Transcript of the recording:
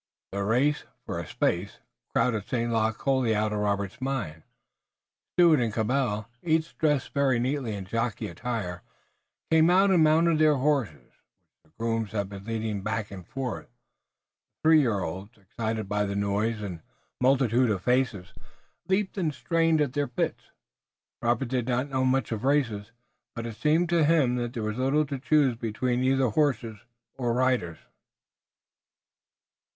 The race, for a space, crowded St. Luc wholly out of Robert's mind. Stuart and Cabell, each dressed very neatly in jockey attire, came out and mounted their horses, which the grooms had been leading back and forth. The three year olds, excited by the noise and multitude of faces, leaped and strained at their bits. Robert did not know much of races, but it seemed to him that there was little to choose between either horses or riders.